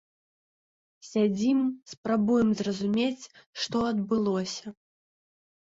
Сядзім, спрабуем зразумець, што адбылося.